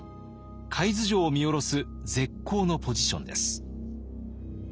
海津城を見下ろす絶好のポジションです。